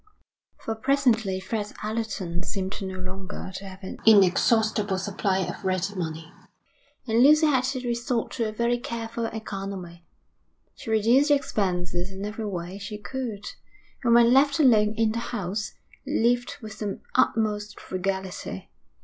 For presently Fred Allerton seemed no longer to have an inexhaustible supply of ready money, and Lucy had to resort to a very careful economy. She reduced expenses in every way she could, and when left alone in the house, lived with the utmost frugality.